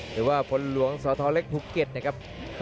หรือว่าฝนหลวงสวท้อเล็กภูเก็ตครับ